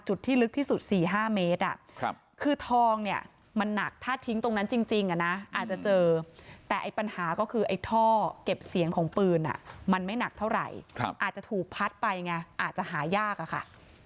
ที่ลึกที่สุด๔๕เมตรคือทองเนี่ยมันหนักถ้าทิ้งตรงนั้นจริงอาจจะเจอแต่ไอ้ปัญหาก็คือไอ้ท่อเก็บเสียงของปืนมันไม่หนักเท่าไหร่อาจจะถูกพัดไปไงอาจจะหายากอะค่ะ